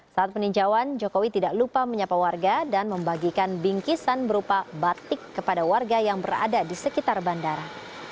saat peninjauan jokowi tidak lupa menyapa warga dan membagikan bingkisan berupa batik kepada warga yang berada di sekitar bandara